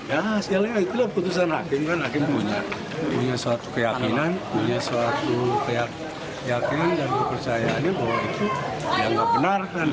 hasilnya itulah putusan hakim kan hakim punya suatu keyakinan punya suatu keyakinan dan kepercayaannya bahwa itu enggak benar